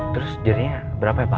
terus jadinya berapa ya pak